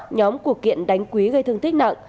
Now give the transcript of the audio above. nhóm của kiện đánh quý gây thương thích nặng